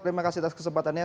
terima kasih atas kesempatannya